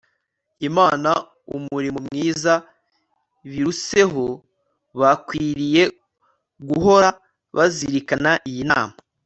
imana umurimo mwiza biruseho, bakwiriye guhora bazirikana iyi nama